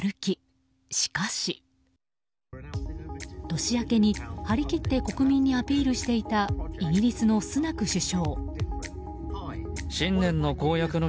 年明けに、張り切って国民にアピールしていたイギリスのスナク首相。